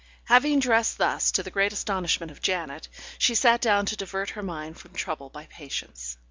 Having dressed thus, to the great astonishment of Janet, she sat down to divert her mind from trouble by Patience.